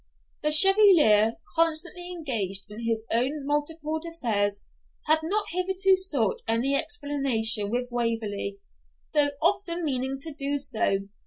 The Chevalier, constantly engaged in his own multiplied affairs, had not hitherto sought any explanation with Waverley, though often meaning to do so.